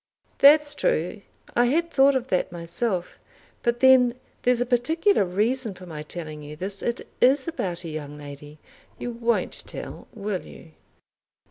"That's true. I had thought of that myself. But then there's a particular reason for my telling you this. It is about a young lady! You won't tell; will you?"